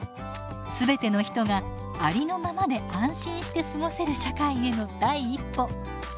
全ての人がありのままで安心して過ごせる社会への第一歩。